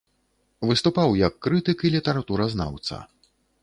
Выступаў як крытык і літаратуразнаўца.